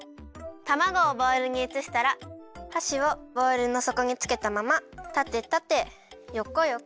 たまごをボウルにうつしたらはしをボウルのそこにつけたままたてたてよこよこ。